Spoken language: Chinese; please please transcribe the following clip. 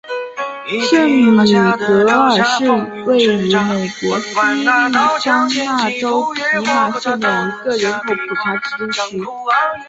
圣米格尔是位于美国亚利桑那州皮马县的一个人口普查指定地区。